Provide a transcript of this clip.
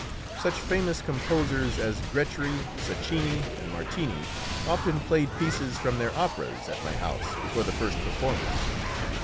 Such famous composers as Grétry, Sacchini, and Martini often played pieces from their operas at my house before the first performance.